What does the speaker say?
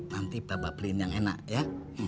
nanti bapak beliin yang enak ya